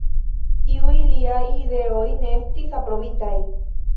Iuj liaj ideoj ne estis aprobitaj.